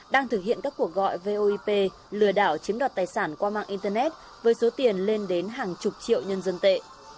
đang thực hiện các cuộc gọi voip lừa đảo chiếm đoạt tài sản qua mạng internet với số tiền lên đến hàng chục triệu nhân dân tệ